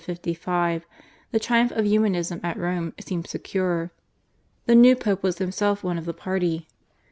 (1447 55) the triumph of Humanism at Rome seemed secure. The new Pope was himself one of the party.